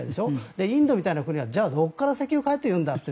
で、インドみたいな国はじゃあ、どこから石油を買えというんだと。